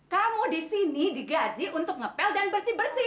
kamu di sini digaji untuk ngepel dan bersih bersih